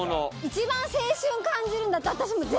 一番青春感じるんだったら私もう